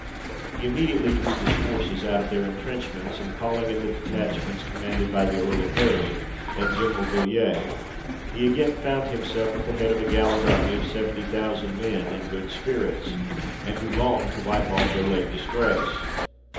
He immediately drew his forces out of their entrench ments, and, calling in the detachments commanded by the Earl of Bury, and General Villiers, he again found himself at the head of a gallant army, of seventy thousand men in good spirits, and who longed to wipe off their late disgrace.